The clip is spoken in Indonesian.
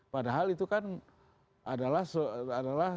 padahal itu kan adalah